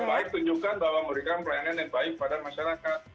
kerja baik tunjukkan bahwa mereka melayani yang baik pada masyarakat